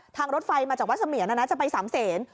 ทางรถไฟมาจากวัดเสมียนนะนะจะไปสามเศษ